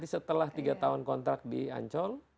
setelah tiga tahun kontrak di ancol